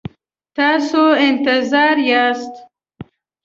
تاسو انتظار یاست؟